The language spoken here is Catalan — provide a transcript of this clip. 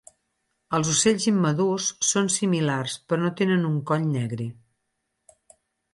Els ocells immadurs són similars però no tenen un coll negre.